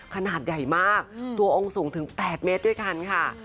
ขนาดใหญ่มากตัวองค์สูงถึง๘เมตรด้วยกันค่ะ